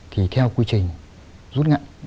thì theo quy trình rút ngắn